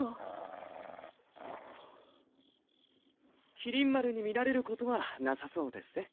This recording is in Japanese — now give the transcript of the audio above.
麒麟丸に見られることはなさそうですぜ。